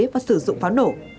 và sử dụng pháo nổ